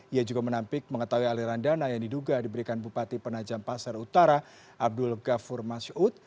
ia juga menampik mengetahui aliran dana yang diduga diberikan bupati penajam pasar utara abdul ghafur masyud